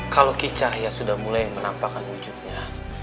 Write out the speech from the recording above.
kalau ki cahya sudah mulai menampakkan wujudnya